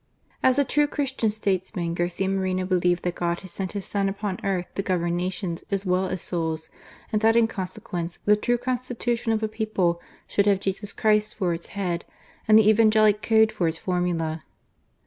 As a true Christian statesman, Garcia Moreno believed that God had sent His Son upon earth to govern nations as well as souls ; and that in conse quence, the true Constitution of a people should have Jesus Christ for its Head, and the Evangelic Code for its formula.